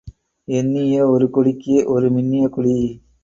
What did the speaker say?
எண்ணிய ஒரு குடிக்கு ஒரு மின்னிய குடி.